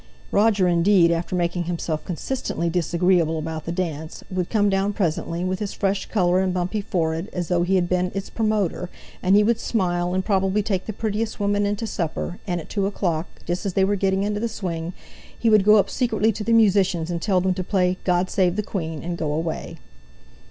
Roger, indeed, after making himself consistently disagreeable about the dance, would come down presently, with his fresh colour and bumpy forehead, as though he had been its promoter; and he would smile, and probably take the prettiest woman in to supper; and at two o'clock, just as they were getting into the swing, he would go up secretly to the musicians and tell them to play "God Save the Queen," and go away.